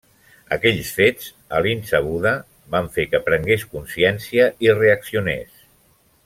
Aquells fets, a la insabuda, van fer que prengués consciència i reaccionés.